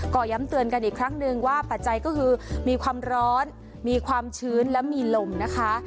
ก็ย้ำเตือนกันอีกครั้งนึงว่าปัจจัยก็คือมีความร้อนมีความชื้นและมีลมนะคะ